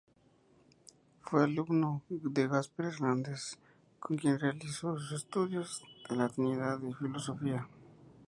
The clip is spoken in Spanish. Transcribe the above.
Fue alumno de Gaspar Hernández, con quien realizó sus estudios de latinidad y filosofía.